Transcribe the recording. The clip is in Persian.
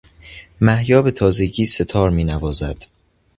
محیا به تازگی سهتار مینوازد